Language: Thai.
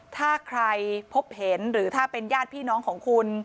ถ้าใครพบเห็นหรือถ้าเป็นญาติพี่น้องของคุณ